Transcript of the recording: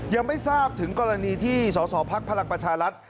ยังไม่ทราบถึงกรณีที่สสพลังประชารัฐ